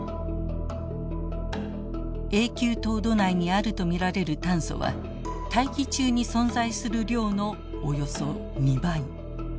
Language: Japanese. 永久凍土内にあると見られる炭素は大気中に存在する量のおよそ２倍。